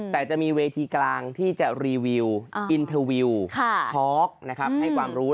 แต่จะมีเวทีกลางที่จะรีวิวอินเทอร์วิวทอล์กนะครับให้ความรู้